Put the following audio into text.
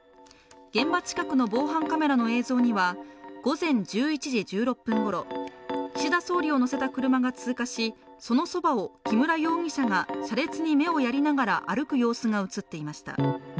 現場近くの防犯カメラの映像には午前１１時１６分ごろ、岸田総理を乗せた車が通過しそのそばを木村容疑者が車列に目をやりながら歩く様子が映っていました。